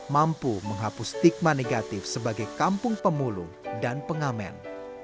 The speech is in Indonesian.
mampu menghapus stigma negatif sebagai kampung pemulung dan pengamen